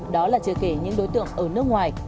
đó là chưa kể những đối tượng ở nước ngoài